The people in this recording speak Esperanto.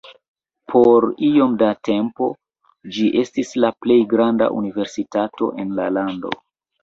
Por iom da tempo, ĝi estis la plej granda universitato en la lando.